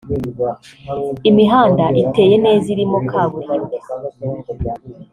imihanda iteye neza irimo kaburimbo